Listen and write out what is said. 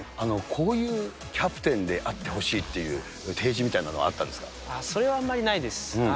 こういうキャプテンであってほしいっていう提示みたいなのはあっそれはあんまりないです。